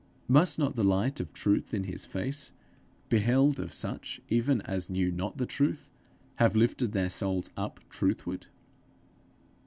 Must not the light of truth in his face, beheld of such even as knew not the truth, have lifted their souls up truthward?